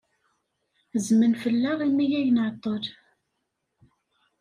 Zzmen fell-aɣ imi ay nɛeḍḍel.